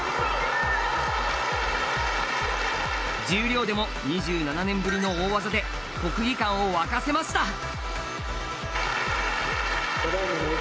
十両でも２７年ぶりの大技で国技館を沸かせました。